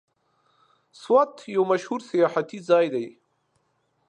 سوات یو مشهور سیاحتي ځای دی.